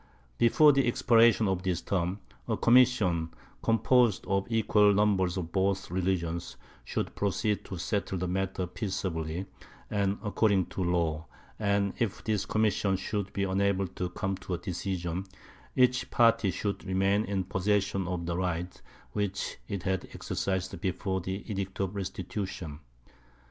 Before the expiration of this term a commission, composed of equal numbers of both religions, should proceed to settle the matter peaceably and according to law; and if this commission should be unable to come to a decision, each party should remain in possession of the rights which it had exercised before the Edict of Restitution.